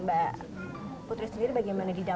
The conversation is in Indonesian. mbak putri sendiri bagaimana